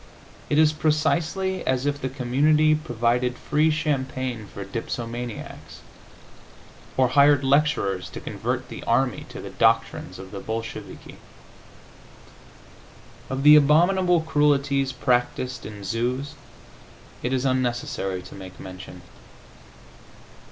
It is precisely as if the community provided free champagne for dipsomaniacs, or hired lecturers to convert the army to the doctrines of the Bolsheviki. Of the abominable cruelties practised in zoos it is unnecessary to make mention.